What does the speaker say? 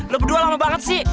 lo berdua lama banget sih